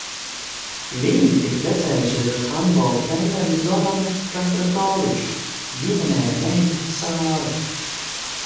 Viņa ir precējusies ar handbola treneri Zoranu Kastratoviču, ģimenē ir meita Sāra.